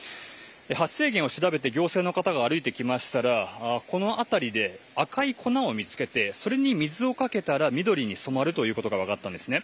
発生源を調べて行政の方が歩いてきましたらこの辺りで赤い粉を見つけてそれに水をかけたら緑に染まるということが分かったんですね。